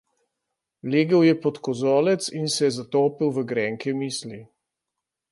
Legel je pod kozolec in se zatopil v grenke misli.